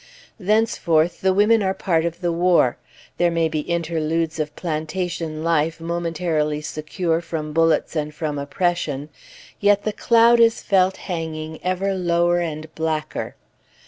Thenceforth, the women are part of the war; there may be interludes of plantation life momentarily secure from bullets and from oppression, yet the cloud is felt hanging ever lower and blacker.